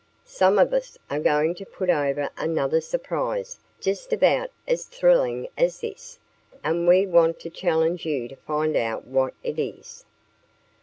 "Some of us are going to put over another surprise just about as thrilling as this, and we want to challenge you to find out what it is."